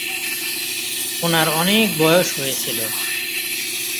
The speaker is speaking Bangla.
ওনার অনেক বয়স হয়েছিল।